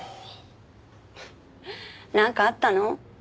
なんかあったの？